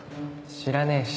知らねえし。